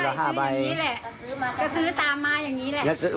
ก็ซื้อตามมาอย่างนี้แหละ